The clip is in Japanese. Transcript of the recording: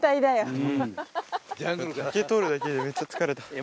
竹採るだけでめっちゃ疲れた。